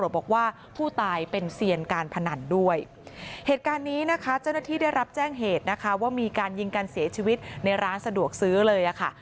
เจ้าหน้าที่ได้รับแจ้งเหตุว่ามีการยิงการเสียชีวิตในร้านสะดวกซื้อเลยค่ะ